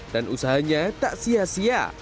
dan usahanya tak sia sia